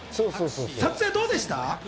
撮影はどうでした？